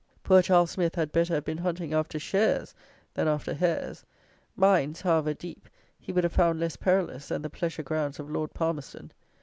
Poor Charles Smith had better have been hunting after shares than after hares! Mines, however deep, he would have found less perilous than the pleasure grounds of Lord Palmerston!